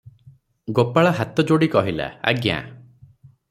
ଗୋପାଳ ହାତ ଯୋଡ଼ି କହିଲା, "ଆଜ୍ଞା!